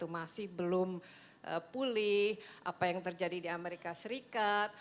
masih belum pulih apa yang terjadi di amerika serikat